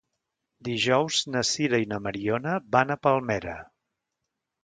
Dijous na Sira i na Mariona van a Palmera.